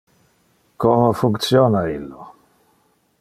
Como functiona illo?